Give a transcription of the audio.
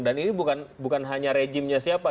dan ini bukan hanya rejimnya siapa